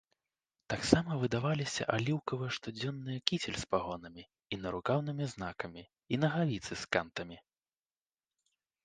Таксама выдаваліся аліўкавыя штодзённыя кіцель з пагонамі і нарукаўнымі знакамі і нагавіцы з кантамі.